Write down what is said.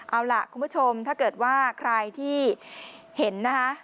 เอาล่ะคุณผู้ชมถ้าเกิดว่าใครที่เห็นนะคะ